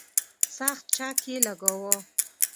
سخت چک یې لګاوه.